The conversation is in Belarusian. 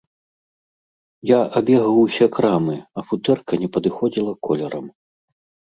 Я абегаў усе крамы, а футэрка не падыходзіла колерам.